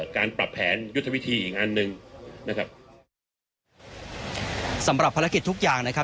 การปรับแผนยุทธวิธีอีกอันหนึ่งนะครับสำหรับภารกิจทุกอย่างนะครับ